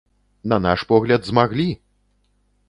На наш погляд, змаглі!